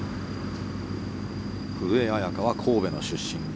古江彩佳は神戸の出身。